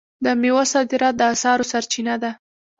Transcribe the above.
د میوو صادرات د اسعارو سرچینه ده.